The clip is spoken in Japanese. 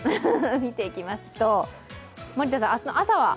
見ていきますと、明日の朝は？